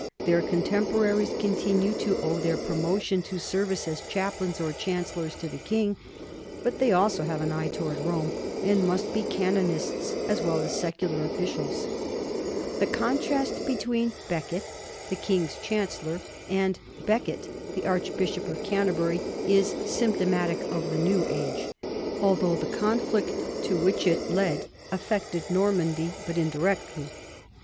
Their contemporaries continue to owe their promotion to service as chaplains or chancellors to the king, but they also have an eye toward Rome and must be canon ists as well as secular officials. The contrast between Becket the king's chancellor and Becket the archbishop of Canterbury is symptomatic of the new age, although the conflict to which it led affected Normandy but indi rectly.